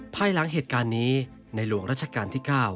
ภายหลังเหตุการณ์นี้ในหลวงรัชกาลที่๙